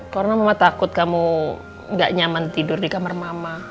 karena mama takut kamu gak nyaman tidur di kamar mama